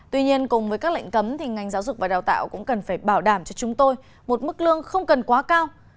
tuy nhiên cùng với các lệnh cấm thì ngành giáo dục và đào tạo cũng cần phải bảo đảm cho chúng tôi một mức lương không cần quá cao